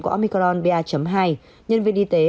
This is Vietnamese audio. của omicron pa hai nhân viên y tế